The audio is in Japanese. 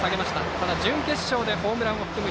ただ準決勝でホームランを含む